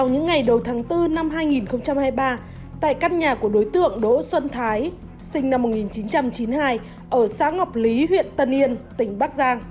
hãy đăng ký kênh để ủng hộ kênh của chúng mình nhé